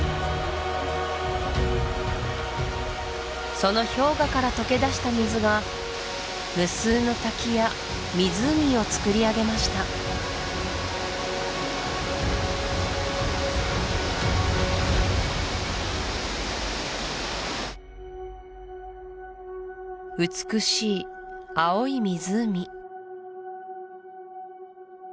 その氷河から解けだした水が無数の滝や湖をつくりあげました美しい青い湖